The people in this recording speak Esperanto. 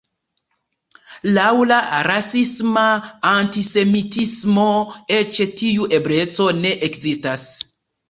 Laŭ la rasisma antisemitismo, eĉ tiu ebleco ne ekzistas.